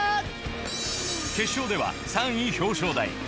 決勝では３位表彰台。